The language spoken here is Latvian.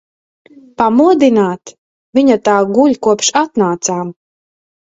Pamodināt? Viņa tā guļ, kopš atnācām.